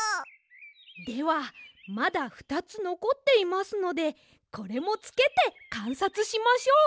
ではまだふたつのこっていますのでこれもつけてかんさつしましょう！